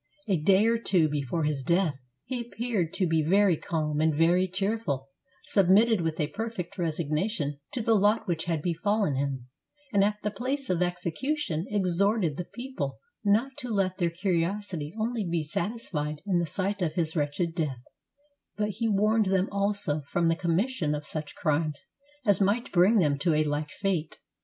A day or two before his death, he appeared to be very calm and very cheerful, submitted with a perfect resignation to the lot which had befallen him, and at the place of execution exhorted the people not to let their curiosity only be satisfied in the sight of his wretched death, but he warned them also from the commission of such crimes as might bring them to a like fate.